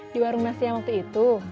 di warung mas yang waktu itu